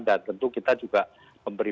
dan tentu kita juga memberi